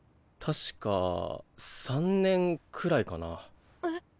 確か３年くらいかな？えっ？